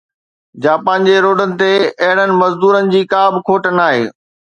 Japan جي روڊن تي اهڙن مزدورن جي ڪا به کوٽ ناهي